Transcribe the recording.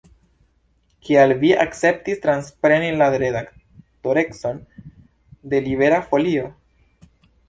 Kial vi akceptis transpreni la redaktorecon de Libera Folio?